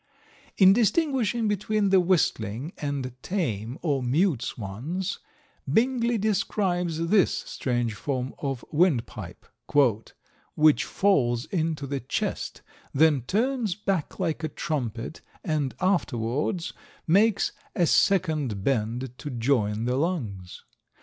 In distinguishing between the Whistling and Tame or Mute Swans, Bingley describes this strange form of windpipe, "Which falls into the chest, then turns back like a trumpet, and afterwards makes a second bend to join the lungs.